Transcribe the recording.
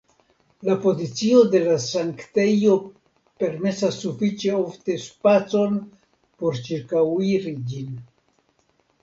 La pozicio de la sanktejo permesas sufiĉe ofte spacon por ĉirkauiri ĝin.